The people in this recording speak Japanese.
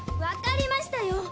わかりましたよ